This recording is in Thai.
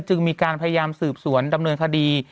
จึงมีการพยายามสืบสวนดำเนินคดี